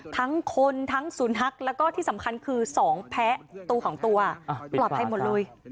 ทั้งคนทั้งศูนย์ฮักแล้วก็ที่สำคัญคือ๒แพ้ตัวของตัวปลอดภัยหมดเลย